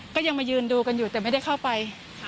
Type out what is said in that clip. ก็ยังมายืนดูกันอยู่แต่ไม่ได้เข้าไป